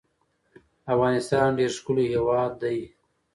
افغانستان ډیر ښکلی هیواد ده